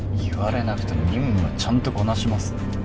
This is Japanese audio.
言われなくても任務はちゃんとこなしますよ